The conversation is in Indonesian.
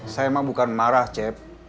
saya emang bukan marah cep